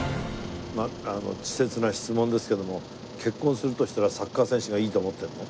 稚拙な質問ですけども結婚するとしたらサッカー選手がいいと思ってるの？